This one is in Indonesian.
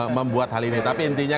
membuat hal ini tapi intinya